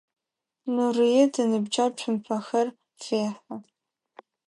Нурыет иныбджэгъу цумпэхэр фехьы.